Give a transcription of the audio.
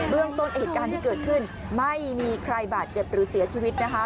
เรื่องต้นเหตุการณ์ที่เกิดขึ้นไม่มีใครบาดเจ็บหรือเสียชีวิตนะคะ